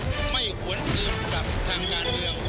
ผมไม่หวนอื่นกับทางงานเดียว